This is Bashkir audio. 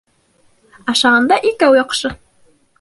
Ашағанда икәү яҡшы